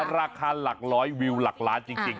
ราคาหลักร้อยวิวหลักล้านจริง